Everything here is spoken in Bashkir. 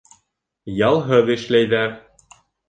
Ялһыҙ эшләйҙәр...